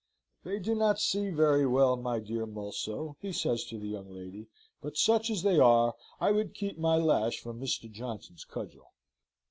"They do not see very well, my dear Mulso," he says to the young lady, "but such as they are, I would keep my lash from Mr. Johnson's cudgel.